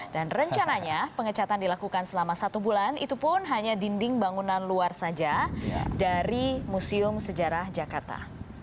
dan rencananya pengecatan dilakukan selama satu bulan itu pun hanya dinding bangunan luar saja dari museum sejarah jakarta